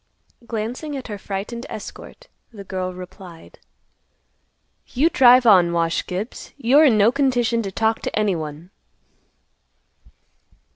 Glancing at her frightened escort, the girl replied, "You drive on, Wash Gibbs. You're in no condition to talk to anyone."